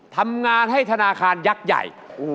ทำงานให้ธนาคารยักษ์ใหญ่